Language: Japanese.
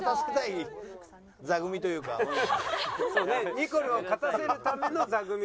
ニコルを勝たせるための座組にしてる。